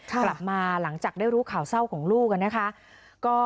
กลับมาหลังจากได้รู้ข่าวเศร้าของลูก